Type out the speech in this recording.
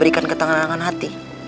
dia butuh banyak makanan